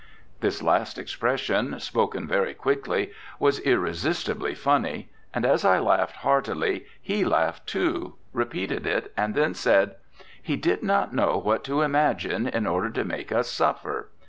This last expression, spoken very quickly, was irresistibly funny; and, as I laughed heartily, he laughed too, repeated it, and then said: 'He did not know what to imagine in order to make us suffer.